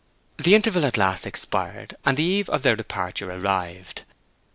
The interval at last expired, and the eve of their departure arrived.